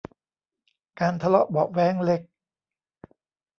การทะเลาะเบาะแว้งเล็ก